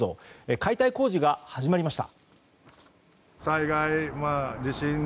解体工事が始まりました。